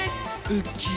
うっ。